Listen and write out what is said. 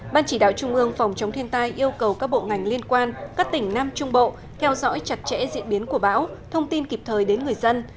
ban chỉ đạo trung ương phòng chống thiên tai yêu cầu các bộ ngành liên quan các tỉnh nam trung bộ theo dõi chặt chẽ diễn biến của bão thông tin kịp thời đến người dân